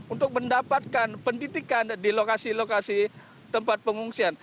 untuk mendapatkan pendidikan di lokasi lokasi tempat pengungsian